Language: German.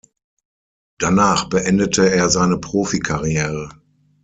Danach beendete er seine Profikarriere.